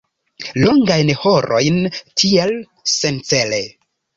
Longajn horojn tiel, sencele.